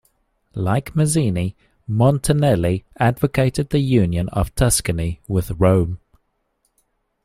Like Mazzini, Montanelli advocated the union of Tuscany with Rome.